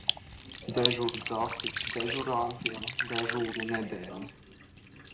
Dežūrgrafiks dežurantiem dežūru nedēļā.